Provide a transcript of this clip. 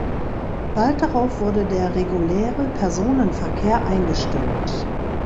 Bald darauf wurde der reguläre Personenverkehr eingestellt.